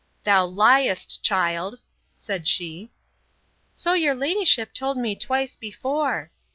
Thou liest, child, said she. So your ladyship told me twice before.